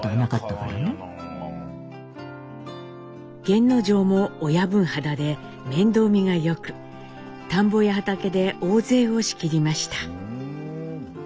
源之丞も親分肌で面倒見がよく田んぼや畑で大勢を仕切りました。